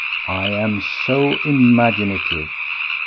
I am so imaginative!